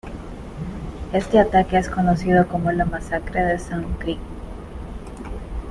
Este ataque es conocido como la Masacre de Sand Creek.